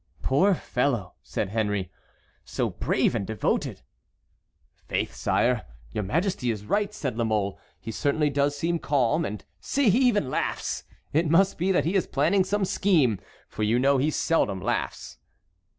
"Poor fellow," said Henry, "so brave and devoted!" "Faith, sire," said La Mole, "your majesty is right. He certainly does seem calm; and see, he even laughs! It must be that he is planning some scheme, for you know he seldom laughs."